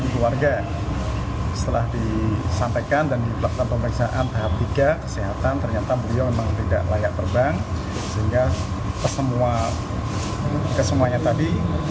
pemulangan tersebut karena calon jamaah calon haji tersebut tidak layak berangkat sehingga langsung diantar pulang ke daerah masing masing